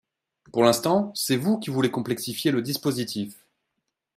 Pour l’instant, c’est vous qui voulez complexifier le dispositif